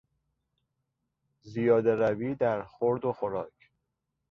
زیادهروی در خورد و خوراک